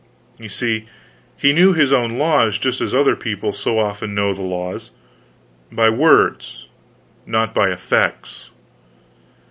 You see, he knew his own laws just as other people so often know the laws; by words, not by effects.